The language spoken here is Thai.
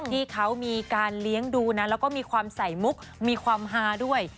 ที่เขามีการเลี้ยงดูนะแล้วก็มีความใส่มุกมีความฮาด้วย